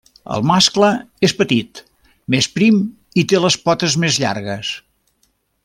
El mascle és petit, més prim, i té les potes més llargues.